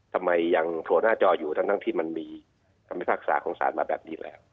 ทำไมยังโทรหน้าจออยู่ทั้งที่มันมีภาพศาคงสารมาแบบนี้นะครับ